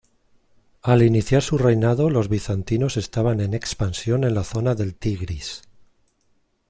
Al iniciar su reinado los bizantinos estaban en expansión en la zona del Tigris.